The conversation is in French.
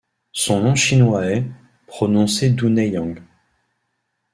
Son nom chinois est 杜乃扬, prononcé Dounaiyang.